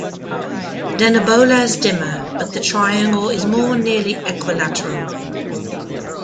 Denebola is dimmer, but the triangle is more nearly equilateral.